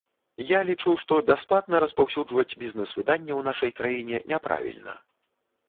Я лічу, што бясплатна распаўсюджваць бізнэс-выданне ў нашай краіне няправільна.